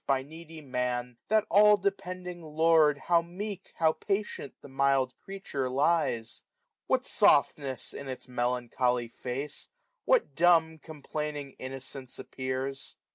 By needy Man, that all depending lord. How meek, how patient, the mild creature lies ! What softness in its melancholy face, 415 What dumb complaining innocence appears